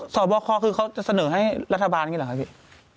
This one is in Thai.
สอบคอคือเขาจะเสนอให้รัฐบาลอย่างนี้เหรอครับพี่